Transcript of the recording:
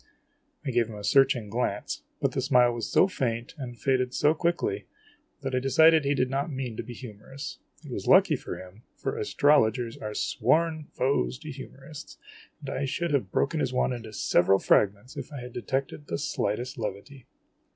I gave him a searching glance; but the smile was so faint, and faded so quickly, that I decided he did not mean to be humorous. It was lucky for him, for astrologers are sworn foes to humorists ; and I should have broken his wand into several fragments if I had detected the slightest levity.